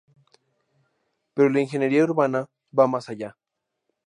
Pero la ingeniería urbana va más allá.